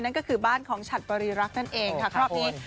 นั่นก็คือบ้านของฉัดบริรักษ์นั่นเองค่ะครอบครัวนี้